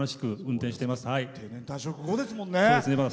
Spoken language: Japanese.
定年退職後ですもんね。